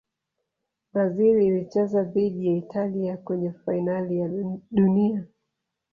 brazil ilicheza dhidi ya italia kwenye fainali ya dunia